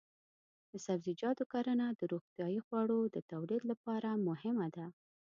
د سبزیجاتو کرنه د روغتیايي خوړو د تولید لپاره مهمه ده.